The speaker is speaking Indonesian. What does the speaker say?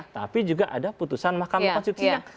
tapi juga ada putusan mahkamah konstitusi yang